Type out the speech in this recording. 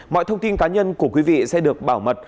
mọi thông tin cá nhân của quý vị sẽ được bảo mật